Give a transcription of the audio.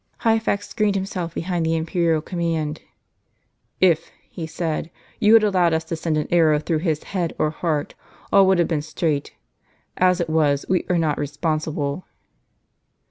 Hyphax screened himself behind the imperial command. "If," he said, " you had allowed us to send an arrow through his head or heart, all would have been straight. As it was, we are not responsible."